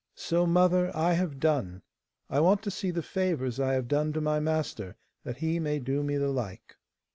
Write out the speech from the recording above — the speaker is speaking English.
So, mother, I have done: I want to see the favours I have done to my master, that he may do me the like.